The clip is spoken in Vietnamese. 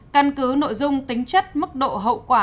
căn cứ nội dung tính chất mức độ hậu quả